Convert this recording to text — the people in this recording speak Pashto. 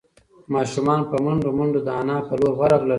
ماشومان په منډو منډو د نیا په لور ورغلل.